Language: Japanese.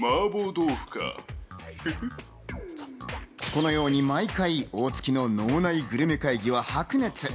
このように毎回、大槻の脳内グルメ会議は白熱。